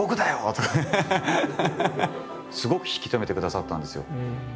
すごく引き止めてくださったんですよ。